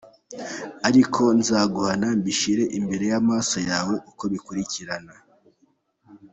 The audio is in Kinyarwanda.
Ariko nzaguhana mbishyire imbere y’amaso yawe, Uko bikurikiran